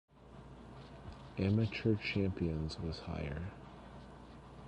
Amateur champions was higher.